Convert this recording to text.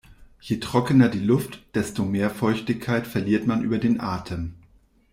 Je trockener die Luft, desto mehr Feuchtigkeit verliert man über den Atem.